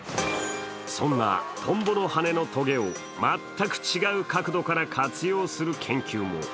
そんなトンボの羽のトゲを全く違う角度から活用する研究も。